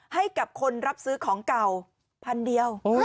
ให้กับคนรับซื้อของเก่าพันเดียว